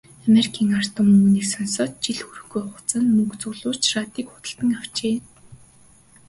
Америкийн ард түмэн үүнийг сонсоод жил хүрэхгүй хугацаанд мөнгө цуглуулж, радийг худалдан авчээ.